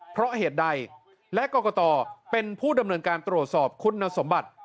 เพราะเหตุใดและกรกตเป็นผู้ดำเนินการตรวจสอบคุณสมบัติ